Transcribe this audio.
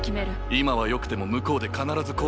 今はよくても向こうで必ず後悔する。